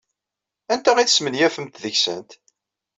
Anta ay tesmenyafemt deg-sent?